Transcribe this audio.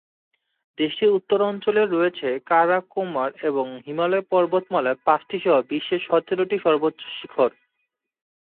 দেশটির উত্তর অঞ্চলে রয়েছে কারাকোরাম এবং হিমালয় পর্বতমালার পাঁচটি সহ বিশ্বের সতেরোটি সর্বোচ্চ শিখর।